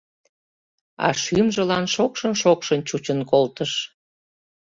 А шӱмжылан шокшын-шокшын чучын колтыш.